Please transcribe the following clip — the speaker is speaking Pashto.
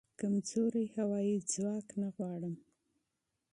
کمزوری هوایې ځواک نه غواړم